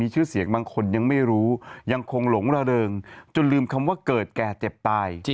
จนลืมคำว่าเกิดแก่เจ็บตาย